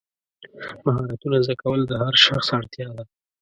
مهارتونه زده کول د هر شخص اړتیا ده.